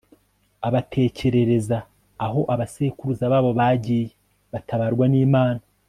abatekerereza aho abasekuruza babo bagiye batabarwa n'imana